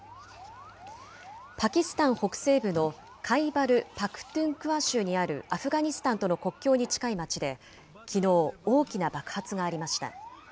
パキスタン北西部のカイバル・パクトゥンクワ州にあるアフガニスタンとの国境に近い町できのう、大きな爆発がありました。